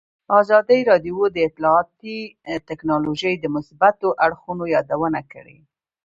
ازادي راډیو د اطلاعاتی تکنالوژي د مثبتو اړخونو یادونه کړې.